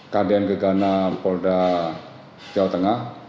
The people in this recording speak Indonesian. kadian gegana polda jawa tengah